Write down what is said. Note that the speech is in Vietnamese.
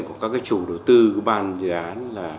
của các cái chủ đầu tư của ban dự án là